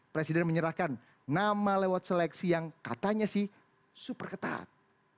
presiden menyerahkan nama lewat seleksi yang katanya sih super ketat